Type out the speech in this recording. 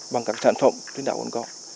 bằng các sản phẩm trên đảo cồn cỏ